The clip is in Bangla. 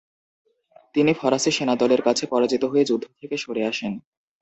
তিনি ফরাসী সেনাদলের কাছে পরাজিত হয়ে যুদ্ধ থেকে সরে আসেন।